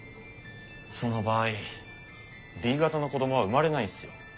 その場合Ｂ型の子どもは生まれないんすよ。